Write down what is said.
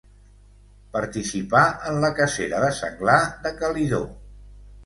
Participà en la cacera de senglar de Calidó.